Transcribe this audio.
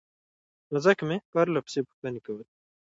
نو ځکه مې پرلهپسې پوښتنې کولې